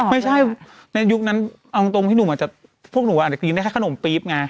ไม่ใช่ว่าในยุคนั้นเอาตรงพี่หนูอ่ะจะพวกเหนะพี่เลยอาจจะกินได้แค่ขนมปี๊ปไง